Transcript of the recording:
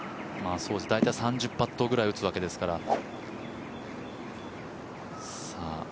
３０パットくらい打つわけですから。